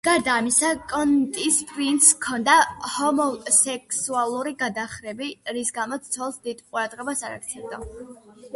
გარდა ამისა, კონტის პრინცს ჰქონდა ჰომოსექსუალური გადახრები, რის გამოც ცოლს დიდ ყურადღებას არ აქცევდა.